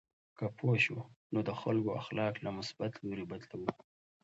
که پوه شو، نو د خلکو اخلاق له مثبت لوري بدلوو.